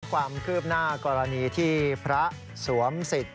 ความคืบหน้ากรณีที่พระสวมสิทธิ์